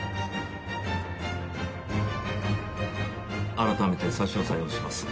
改めて差し押さえをします。